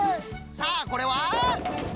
さあこれは。